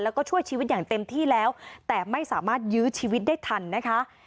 แล้วก็ช่วยชีวิตอย่างเต็มที่แล้วแต่ไม่สามารถยื้อชีวิตได้ทันนะคะ